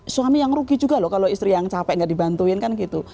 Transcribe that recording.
suami yang rugi juga loh kalau istri yang capek nggak dibantuin kan gitu